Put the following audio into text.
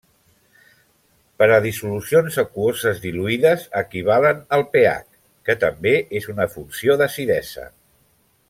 Per a dissolucions aquoses diluïdes equivalen al pH, que també és una funció d'acidesa.